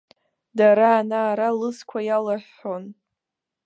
Дара ана-ара лызқәа иалыҳәҳәон.